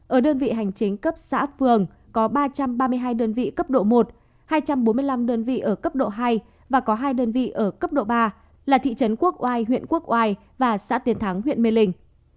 ở đơn vị hành chính cấp xã phường có ba trăm ba mươi hai đơn vị cấp độ một hai trăm bốn mươi năm đơn vị ở cấp độ hai và có hai đơn vị ở cấp độ ba là thị trấn quốc oai huyện quốc oai và xã tiền thắng huyện mê linh